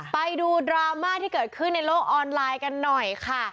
ไปดูดราม่าที่เกิดขึ้นในโลกออนไลน์กันหน่อยค่ะ